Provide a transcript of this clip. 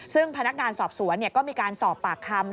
ซึ่งพนักงานสอบสวนก็มีการสอบปากคำ